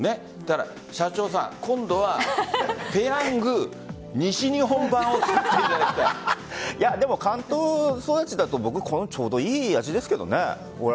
社長さん、今度はペヤング西日本版をでも、関東育ちだとちょうどいい味ですけどね。